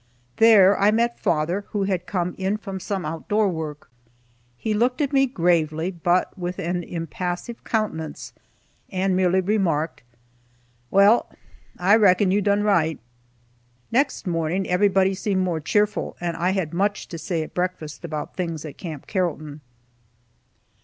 There I met father, who had come in from some out door work. He looked at me gravely, but with an impassive countenance, and merely remarked, "Well, I reckon you've done right." Next morning everybody seemed more cheerful, and I had much to say at breakfast about things at Camp Carrollton.